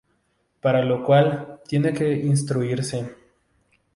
Para lo cual, tiene que instruirse.